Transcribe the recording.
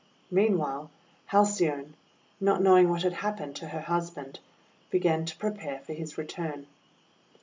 Meanwhile, Halcyone, not knowing what had happened to her husband, began to prepare for his return.